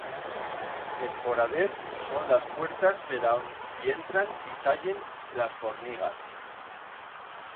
Els foradets son las puertas per a on i entran y sallen las fornigas.